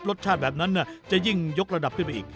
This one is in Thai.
รสชาติแบบนั้นจะยิ่งยกระดับขึ้นไปอีก